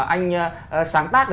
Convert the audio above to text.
anh sáng tác